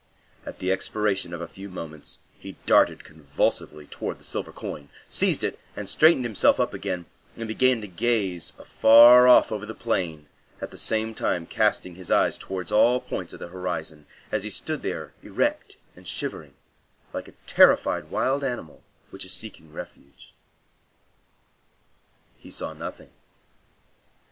At the expiration of a few moments he darted convulsively towards the silver coin, seized it, and straightened himself up again and began to gaze afar off over the plain, at the same time casting his eyes towards all points of the horizon, as he stood there erect and shivering, like a terrified wild animal which is seeking refuge. He saw nothing.